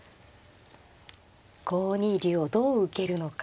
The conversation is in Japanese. ５二竜をどう受けるのか。